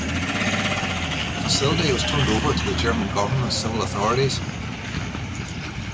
The facility was turned over to the German government civil authorities.